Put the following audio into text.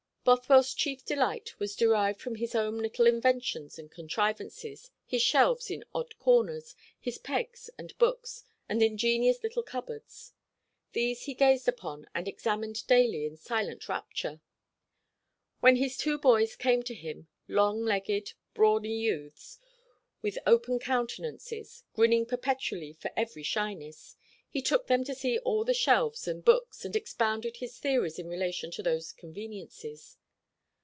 Bothwell's chief delight was derived from his own little inventions and contrivances, his shelves in odd corners, his pegs and books, and ingenious little cupboards. These he gazed upon and examined daily in silent rapture. When his two boys came to him long legged brawny youths, with open countenances, grinning perpetually for very shyness he took them to see all the shelves and books, and expounded his theories in relation to those conveniences.